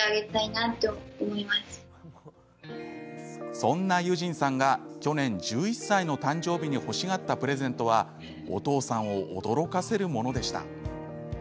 そんな結尋さんが去年１１歳の誕生日に欲しがったプレゼントはお父さんを驚かせるものでした。